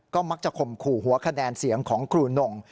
ก็มักจะข่มขู่หัวคะแนนเสียงของครูหน่ง